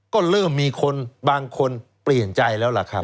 ก็เริ่มมีคนบางคนเปลี่ยนใจแล้วล่ะครับ